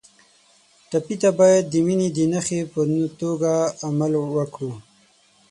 ټپي ته باید د مینې د نښې په توګه عمل وکړو.